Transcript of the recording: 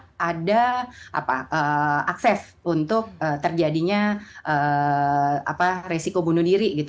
itu biasanya saat ada akses untuk terjadinya resiko bunuh diri